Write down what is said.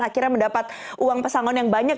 akhirnya mendapat uang pesangon yang banyak